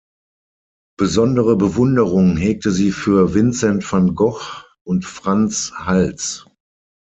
Besondere Bewunderung hegte sie für Vincent van Gogh und Frans Hals.